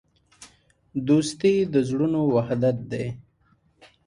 دوستي د زړونو وحدت دی.